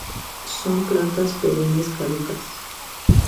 Son plantas perennes caducas.